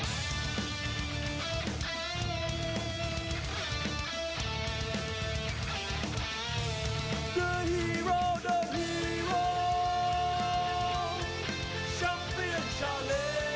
จังหวาดึงซ้ายตายังดีอยู่ครับเพชรมงคล